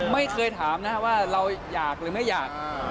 ไม่เคยถามนะครับว่าเราอยากหรือไม่อยาก